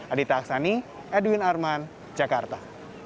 adita aksani edwin arman jakarta